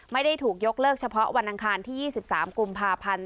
ไม่ได้ถูกยกเลิกเฉพาะวันอังคารที่๒๓กุมภาพันธ์